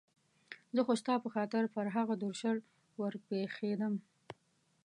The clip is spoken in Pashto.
زه خو ستا په خاطر پر هغه درشل ور پېښېدم.